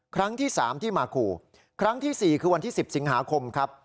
ครั้งที่๓ที่มาขู่ครั้งที่๔คือวันที่๑๐สิงหาคมครับ